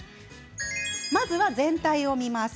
まずは全体を見ます。